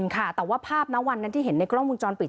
ค่ะแต่ว่าภาพนะวันนั้นที่เห็นในกล้องมุมจรปิด